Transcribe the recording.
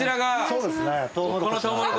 そうですね。